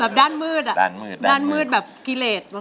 แบบด้านมืดอะด้านมืดแบบกิเลส